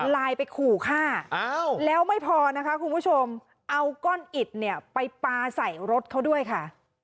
ไลน์ไปขู่ฆ่าแล้วไม่พอนะคะคุณผู้ชมเอาก้อนอิดเนี่ยไปปลาใส่รถเขาด้วยค่ะ